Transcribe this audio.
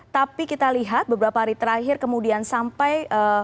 tapi kita lihat beberapa hari terakhir kemudian sampai